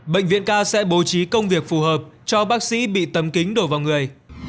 bệnh viện k sẽ bố trí công việc phù hợp cho bác sĩ bị tấm kính đổ vào người